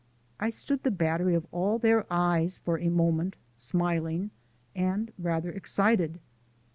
I stood the battery of all their eyes for a moment, smiling and rather excited.